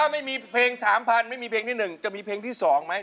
อันนี้ดีหรือไม่ดี